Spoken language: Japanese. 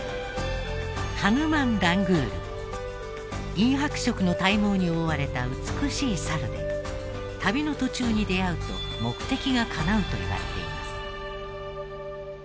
銀白色の体毛に覆われた美しいサルで旅の途中に出会うと目的がかなうといわれています。